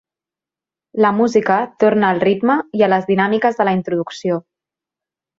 La música torna al ritme i a les dinàmiques de la introducció.